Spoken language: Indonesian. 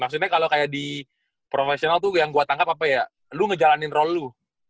maksudnya kalau kayak di profesional tuh yang gue tangkap apa ya lu ngejalanin roll lu